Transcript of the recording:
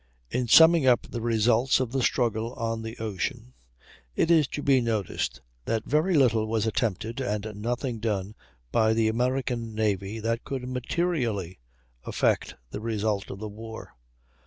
In summing up the results of the struggle on the ocean it is to be noticed that very little was attempted, and nothing done, by the American Navy that could materially affect the result of the war.